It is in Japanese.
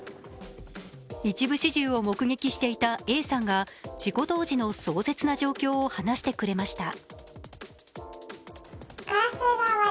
一部始終を目撃していたＡさんが事故当時の壮絶な状況を話してくれました。